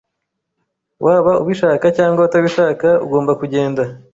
Waba ubishaka cyangwa utabishaka, ugomba kugenda.